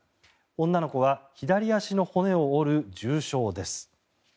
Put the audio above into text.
女の子は左足の骨を折る重傷です。